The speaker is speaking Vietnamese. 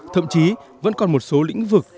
thậm chí vẫn còn một số lĩnh vực